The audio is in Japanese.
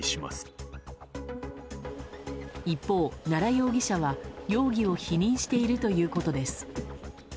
一方、奈良容疑者は容疑を否認しているということです。